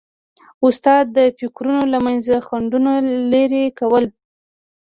استاد د فکرونو له منځه خنډونه لیري کوي.